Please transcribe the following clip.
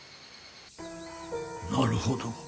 なるほど。